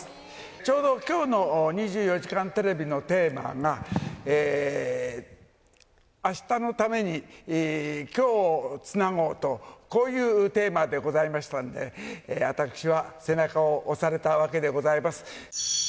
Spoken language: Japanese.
ちょうどきょうの２４時間テレビのテーマが、あしたのためにきょうつなごうと、こういうテーマでございましたんで、私は背中を押されたわけでございます。